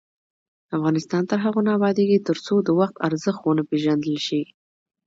افغانستان تر هغو نه ابادیږي، ترڅو د وخت ارزښت ونه پیژندل شي.